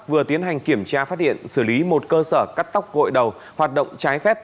vừa tiến hành kiểm tra phát hiện xử lý một cơ sở cắt tóc gội đầu hoạt động trái phép